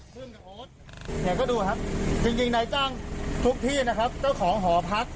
ซึ่งเดี๋ยวก็ดูครับจริงนายจ้างทุกที่นะครับเจ้าของหอพัก